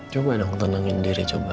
coba dong tenangin diri coba